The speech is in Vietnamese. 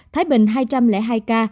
thái bình hai trăm linh hai ca